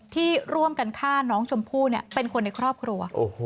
ที่ร่วมกันฆ่าน้องชมพู่เป็นคนในครอบครัว